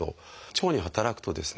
腸に働くとですね